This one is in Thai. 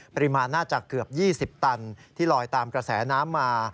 น่าจะเกือบ๒๐ตันที่ลอยตามกระแสน้ำมา